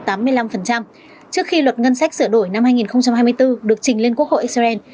trước khi luật ngân sách sửa đổi năm hai nghìn hai mươi bốn được trình lên quốc hội israel